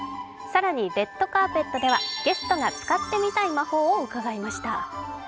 更に、レッドカーペットではゲストが使ってみたい魔法を伺いました。